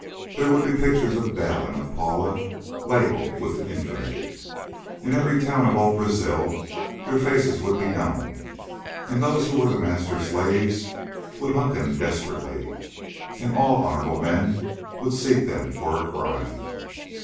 There would be pictures of Bell and of Paula, labeled with an infamy. In every town of all Brazil their faces would be known, and those who were The Master's slaves would hunt them desperately, and all honorable men would seek them for a crime.